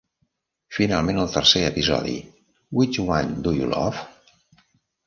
Finalment, el tercer episodi, "Which One Do You Love?"